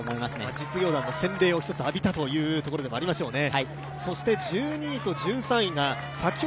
実業団の洗礼を一つ浴びたというところでもありますね。